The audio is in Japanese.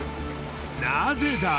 なぜだ？